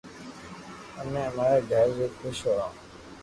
امي امري گور مي خوݾ ھون